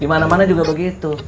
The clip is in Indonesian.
dimana mana juga begitu